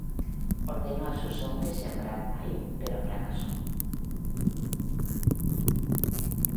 Ordenó a sus hombres sembrar maíz, pero fracasó.